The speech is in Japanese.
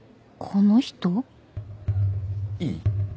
この人？いい？